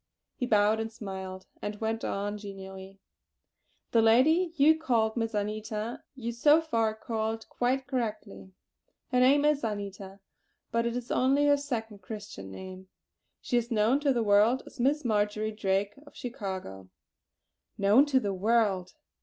He bowed and smiled, and went on genially: "The lady you called Miss Anita, you so far called quite correctly. Her name is Anita; but it is only her second Christian name. She is known to the world as Miss Marjory Drake, of Chicago." "Known to the world."